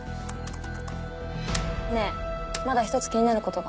ねえまだ一つ気になる事が。